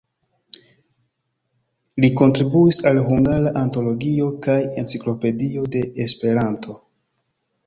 Li kontribuis al "Hungara Antologio" kaj "Enciklopedio de Esperanto".